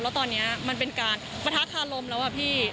แล้วตอนนี้มันเป็นการปะทะคารมแล้วอะพี่